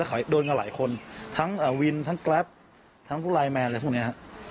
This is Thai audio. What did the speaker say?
แล้วโดนกับหลายคนทั้งวินทั้งกราฟทั้งไลน์แมนอะไรพวกนี้